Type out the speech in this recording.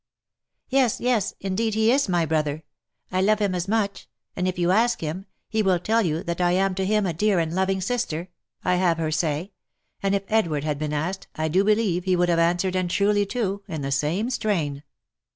« Yes, yes, indeed he is my brother ! I love him as such ; and if you ask him, he will tell you that I am to him a dear and loving sister,' I have her say, and if Edward had been asked, I do believe he would have answered, and truly too, in the same strain.